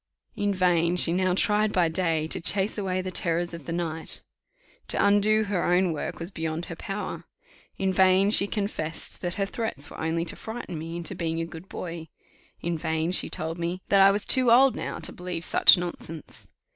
In vain she now tried by day to chase away the terrors of the night: to undo her own work was beyond her power. In vain she confessed that her threats were only to frighten me into being a good boy. In vain she told me that I was too old now to believe such nonsense.